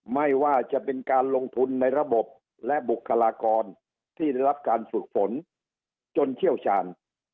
ไม่ว่าจะเป็นการลงทุนในระบบและบุคลากรที่ได้รับการฝึกฝนจนเชี่ยวชาญ